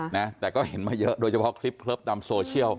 นะแต่ก็เห็นมาเยอะโดยเฉพาะคลิปเลิฟตามโซเชียล